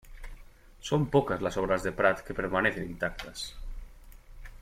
Son pocas las obras de Pratt que permanecen intactas.